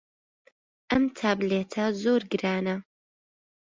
ئەم تابلێتە زۆر گرانە.